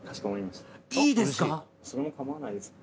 それは構わないですよ。